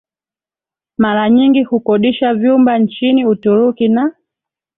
mara nyingi hukodisha vyumba nchini Uturuki na